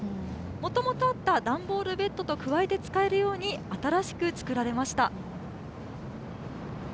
もともとあった段ボールベッドと加えて使えるように、新しく作られました。